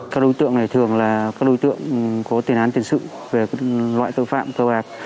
các đối tượng này thường là các đối tượng có tiền án tiền sự về loại tội phạm cơ bạc